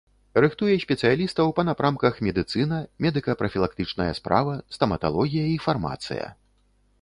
Рыхтуе спецыялістаў па напрамках медыцына, медыка-прафілактычная справа, стаматалогія і фармацыя.